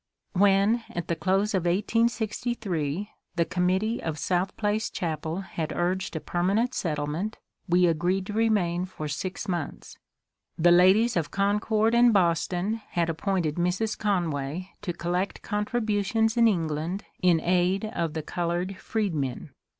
When at the close of 1863 the Committee of South Place chapel had urged a permanent settlement, we agreed to re main for six months. The ladies of Concord and Boston had appointed Mrs. Conway to collect contributions in England in aid of the coloured freedmen.